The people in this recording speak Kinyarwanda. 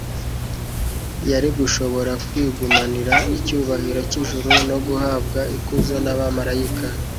Yari gushobora kwigumanira icyubahiro cy'ijuru no guhabwa ikuzo n'abamalayika.